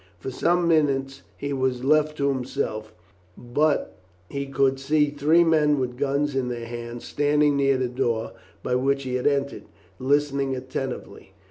For some minutes he was left to himself, but he could see three men with guns in their hands standing near the door by which he had entered, listening attentively.